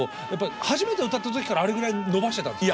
初めて歌った時からあれぐらい伸ばしてたんですか？